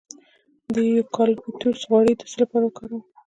د یوکالیپټوس غوړي د څه لپاره وکاروم؟